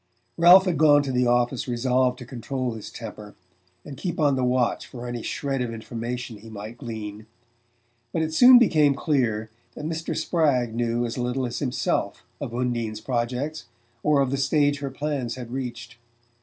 Ralph had gone to the office resolved to control his temper and keep on the watch for any shred of information he might glean; but it soon became clear that Mr. Spragg knew as little as himself of Undine's projects, or of the stage her plans had reached.